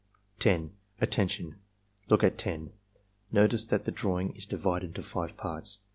10. "Attention! Look at 10. Notice that the drawing is divided into five parts.